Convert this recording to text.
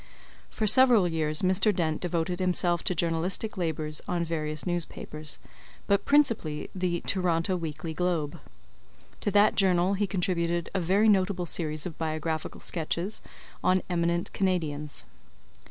For several years Mr. Dent devoted himself to journalistic labours on various newspapers, but principally the Toronto Weekly Globe. To that journal he contributed a very notable series of biographical sketches on "Eminent Canadians."